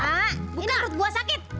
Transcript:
bukan menurut gua sakit